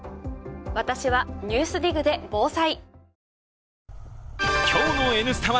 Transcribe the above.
私は「ＮＥＷＳＤＩＧ」で防災。